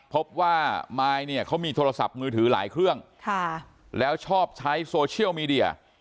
พบว่ามายเนี่ยเขามีโทรศัพท์มือถือหลายเครื่องแล้วชอบใช้โซเชียลมีเดีย